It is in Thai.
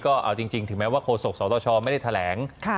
ก็เอาจริงถึงแม้ว่าโฆษกสตชไม่ได้แถลง